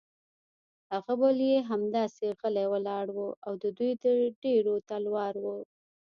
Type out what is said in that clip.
هغه بل یې همداسې غلی ولاړ و، د دوی ډېر تلوار و.